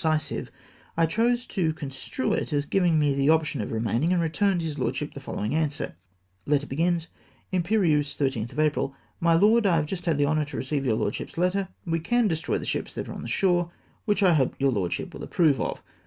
395 cisive, I chose to construe it as giving me the option of remaining, and returned his lordship the following answer :—■" TmjJerieuse, 13tli April. " My Loed, — I have just had the honour to receive your Lordship's letter. We can destroy the ships that are on shore, which I hope your Lordship will approve of.